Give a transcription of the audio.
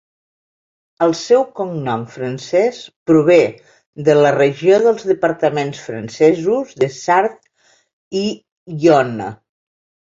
El seu cognom francès prové de la regió dels departaments francesos de Sarthe i Yonne.